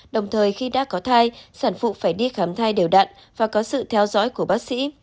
đồng thời khi đã có thai sản phụ phải đi khám thai đều đặn và có sự theo dõi của bác sĩ